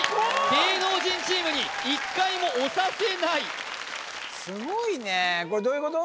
芸能人チームに１回も押させないすごいねこれどういうこと？